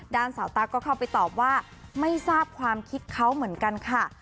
สาวตั๊กก็เข้าไปตอบว่าไม่ทราบความคิดเขาเหมือนกันค่ะ